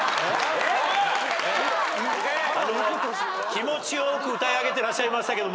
気持ちよく歌い上げてらっしゃいましたけど。